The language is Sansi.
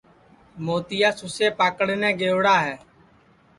موتِیا سُسئے پکڑنے گئوڑا ہے